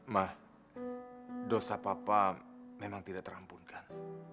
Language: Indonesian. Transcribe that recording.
ma dosa bapak memang tidak terampunkan